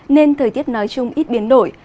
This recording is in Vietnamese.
nên thời tiết nói chung ít biến đổi